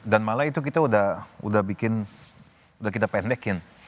dan malah itu kita udah bikin udah kita pendekin